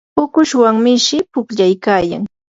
ukushwan mishi pukllaykayan.